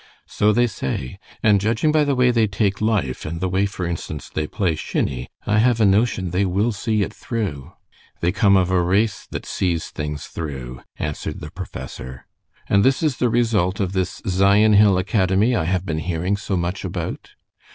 "So they say. And judging by the way they take life, and the way, for instance, they play shinny, I have a notion they will see it through." "They come of a race that sees things through," answered the professor. "And this is the result of this Zion Hill Academy I have been hearing so much about?"